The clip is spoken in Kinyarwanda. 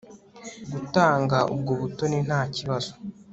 Gutanga ubwo butoni ntakibazo